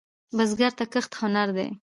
بزګر ته کښت هنر دی